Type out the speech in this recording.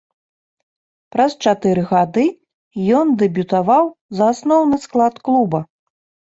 Праз чатыры гады ён дэбютаваў за асноўны склад клуба.